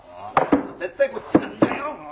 絶対こっちなんだよもう！